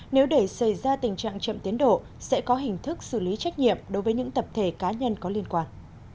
nếu để xảy ra tình trạng chậm tiến độ sẽ có hình thức xử lý trách nhiệm đối với những tập thể cá nhân có liên quan